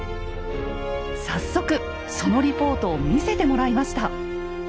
早速そのリポートを見せてもらいました。